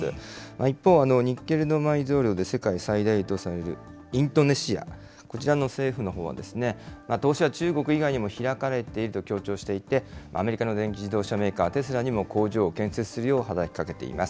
一方、ニッケルの埋蔵量で世界最大とされるインドネシア、こちらの政府のほうは、投資は中国以外にも開かれていると強調していて、アメリカの電気自動車メーカー、テスラにも工場を建設するよう働きかけています。